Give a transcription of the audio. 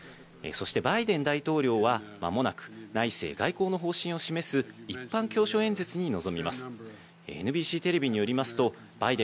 そしてバイデン大統領は間もなく内政外交の方針を示す一般教書演説に臨みます。